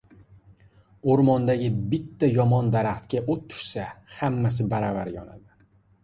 • O‘rmondagi bitta yomon daraxtga o‘t tushsa, hammasi baravar yonadi.